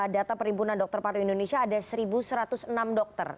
data perimpunan dokter paru indonesia ada satu satu ratus enam dokter